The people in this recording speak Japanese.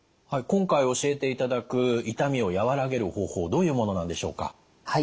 今回教えていただく痛みを和らげる方法どういうものなんでしょうか？